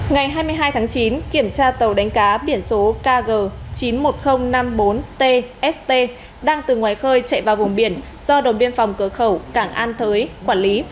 ngày hai mươi hai tháng chín kiểm tra tàu đánh cá biển số kg chín mươi một nghìn năm mươi bốn tst đang từ ngoài khơi chạy vào vùng biển do đồng biên phòng cửa khẩu cảng an thới quản lý